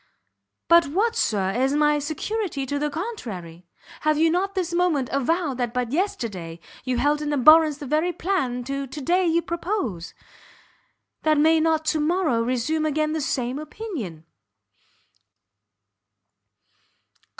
"But what, Sir, is my security to the contrary? Have you not this moment avowed that but yesterday you held in abhorrence the very plan that to day you propose? And may you not to morrow resume again the same opinion?"